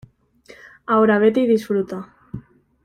ahora vete y disfruta.